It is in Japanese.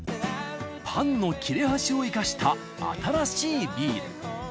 パンの切れ端を生かした新しいビール。